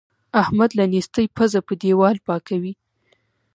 احمد له نېستۍ پزه په دېوال پاکوي.